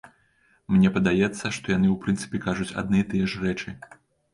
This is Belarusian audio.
Мне падаецца, што яны ў прынцыпе кажуць адны і тыя ж рэчы.